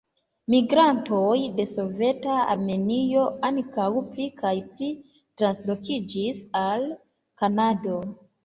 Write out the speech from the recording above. Migrantoj de soveta Armenio ankaŭ pli kaj pli translokiĝis al Kanado.